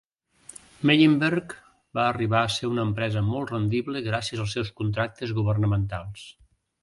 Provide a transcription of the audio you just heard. Meyenberg va arribar a ser una empresa molt rendible gràcies als seus contractes governamentals.